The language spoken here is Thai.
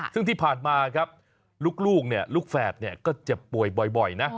ซึ่งที่ผ่านมาครับลูกลูกแฝดเนี่ยก็เจ็บป่วยบ่อยนะ